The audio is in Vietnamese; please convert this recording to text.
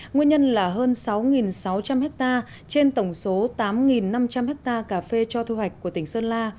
nguyên nhân là hơn sáu sáu trăm linh hectare trên tổng số tám năm trăm linh hectare cà phê cho thu hoạch của tỉnh sơn la